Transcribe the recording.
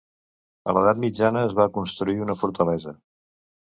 A l'edat Mitjana es va construir una fortalesa.